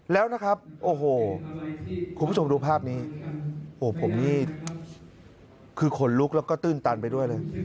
แล้วนะครับโอ้โหคุณผู้ชมดูภาพนี้โอ้โหผมนี่คือขนลุกแล้วก็ตื้นตันไปด้วยเลย